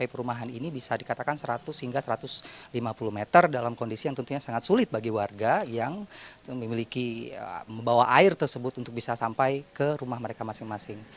perumahan ini bisa dikatakan seratus hingga satu ratus lima puluh meter dalam kondisi yang tentunya sangat sulit bagi warga yang memiliki membawa air tersebut untuk bisa sampai ke rumah mereka masing masing